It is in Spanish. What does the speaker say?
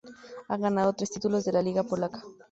Ha ganado tres títulos de la liga polaca.